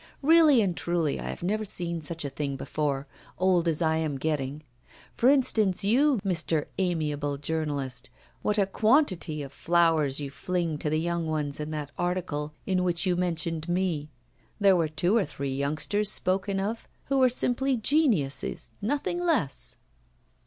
Really and truly I have never seen such a thing before, old as I am getting. For instance, you, Mr. Amiable Journalist, what a quantity of flowers you fling to the young ones in that article in which you mentioned me! There were two or three youngsters spoken of who were simply geniuses, nothing less.